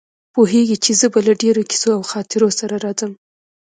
پوهېږي چې زه به له ډېرو کیسو او خاطرو سره راځم.